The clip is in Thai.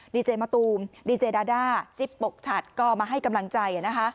ดีเจมะตูมดีเจดาด้าจิ๊บปกฉัดก็มาให้กำลังใจ